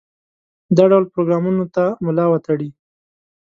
دا ډول پروګرامونو ته ملا وتړي.